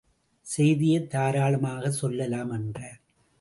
செய்தியைத் தாராளமாக சொல்லலாம் என்றார்.